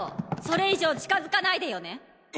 それ以上近づかないでよね。